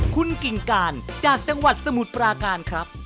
คุณกิ่งการจากจังหวัดสมุทรปราการครับ